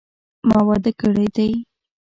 ما واده کړی دي